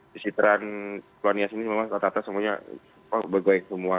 di sekitaran kepala nias ini memang rata rata semuanya bergoyang semua